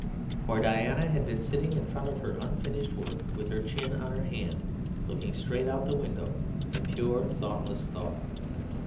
For Diana had been sitting in front of her unfinished work with her chin on her hand, looking straight out of the window in pure thoughtless thought.